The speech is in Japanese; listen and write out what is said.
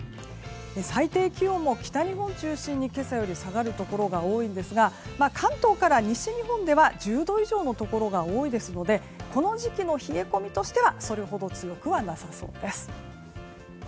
最低気温も北日本を中心に今朝より下がるところが多いんですが関東から西日本では１０度以上のところが多いですのでこの時期の冷え込みとしてはそれほど強くなさそうです。